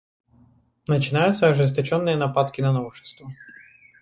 Начинаются ожесточенные нападки на новшества.